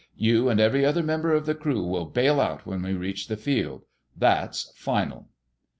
You and every other member of the crew will bail out when we reach the field. That's final!"